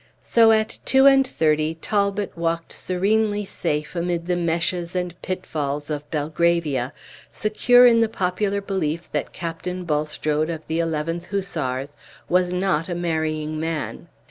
So at two and thirty Talbot walked serenely safe amid the meshes and pitfalls of Belgravia, secure in the popular belief that Captain Bulstrode, of the 11th Hussars, was not a marrying man.